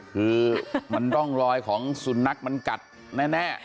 คือมันร่องรอยของสุนัขมันกัดแน่